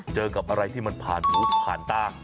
เจอกับอะไรที่มันผ่านหูผ่านตา